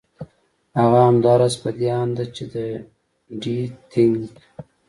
هغه همدا راز په دې اند ده چې د ډېټېنګ